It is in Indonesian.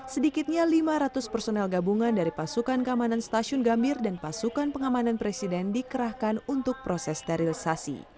sedikitnya lima ratus personel gabungan dari pasukan keamanan stasiun gambir dan pasukan pengamanan presiden dikerahkan untuk proses sterilisasi